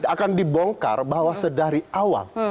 akan dibongkar bahwa sedari awal